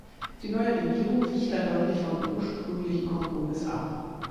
Die neue Regierung wich dann deutlich vom ursprünglichen Kompromiss ab.